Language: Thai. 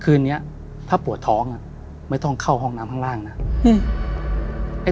คืนนี้ถ้าปวดท้องอ่ะไม่ต้องเข้าห้องน้ำข้างล่างนะ